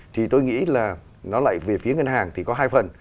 thì tôi nghĩ là nó lại về phía ngân hàng thì có hai phần